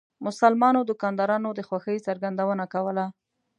مسلمانو دکاندارانو د خوښۍ څرګندونه کوله.